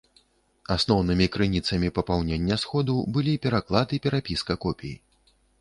Асноўнымі крыніцамі папаўнення сходу былі пераклад і перапіска копій.